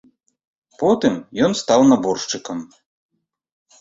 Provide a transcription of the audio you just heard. Потым ён стаў наборшчыкам.